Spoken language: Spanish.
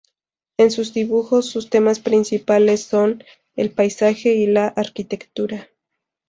En sus dibujos sus temas principales son: el paisaje y la arquitectura.